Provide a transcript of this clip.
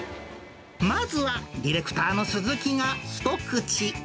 まずはディレクターのすずきが一口。